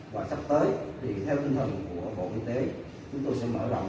và sắp tới thì theo tinh thần của bộ y tế chúng tôi sẽ mở rộng